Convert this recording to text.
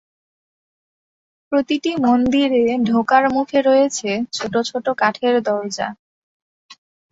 প্রতিটি মন্দিরে ঢোকার মুখে রয়েছে ছোট ছোট কাঠের দরজা।